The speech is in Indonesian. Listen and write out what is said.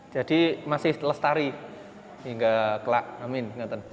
jadi masih lestari sehingga kelak amin